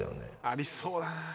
ありそうだな。